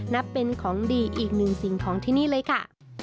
นับเป็นของดีอีกหนึ่งสิ่งของที่นี่เลยค่ะ